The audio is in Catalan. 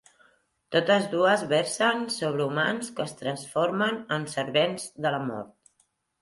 Totes dues versen sobre humans que es transformen en servents de la Mort.